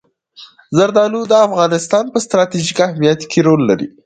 زردالو د افغانستان په ستراتیژیک اهمیت کې رول لري.